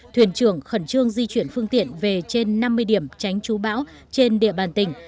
thuyền trưởng khẩn trương di chuyển phương tiện về trên năm mươi điểm tránh trú bão trên địa bàn tỉnh